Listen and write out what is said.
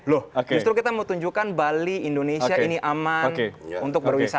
loh justru kita mau tunjukkan bali indonesia ini aman untuk berwisata